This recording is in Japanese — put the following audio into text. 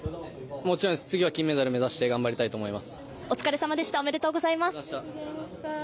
もちろんです、次は金メダル目指して頑張りたいと思ってます。